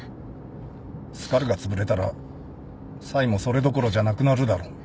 スカルがつぶれたらサイもそれどころじゃなくなるだろ